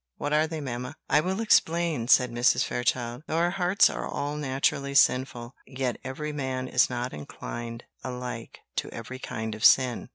What are they, mamma?" "I will explain," said Mrs. Fairchild. "Though our hearts are all naturally sinful, yet every man is not inclined alike to every kind of sin.